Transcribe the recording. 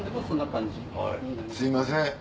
すいません。